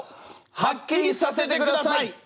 はっきりさせてください！